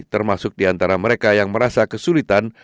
termasuk di antara mereka yang merasa kesulitan